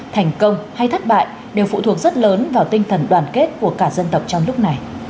thành công hay thất bại đều phụ thuộc rất lớn vào tinh thần đoàn kết của cả dân tộc trong lúc này